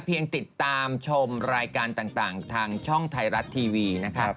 เพียงติดตามชมรายการต่างทางช่องไทยรัฐทีวี